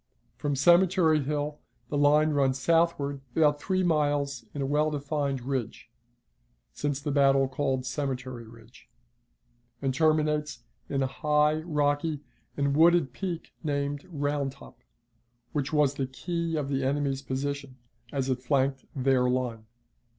From Cemetery Hill the line runs southward about three miles in a well defined ridge, since the battle called Cemetery Ridge, and terminates in a high, rocky, and wooded peak named Round Top, which was the key of the enemy's position, as it flanked their line.